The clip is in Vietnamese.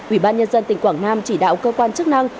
ủy ban nhân dân tỉnh quảng nam chỉ đạo cơ quan chức năng